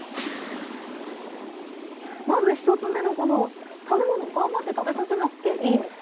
まず１つ目のこの食べ物頑張って食べさせなくていい？